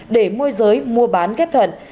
để mua giới mua bán ghép thận